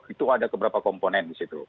itu ada beberapa komponen di situ